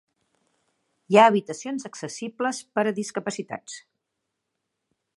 Hi ha habitacions accessibles per a discapacitats.